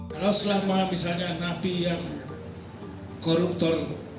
kalau selama misalnya napi yang koruptor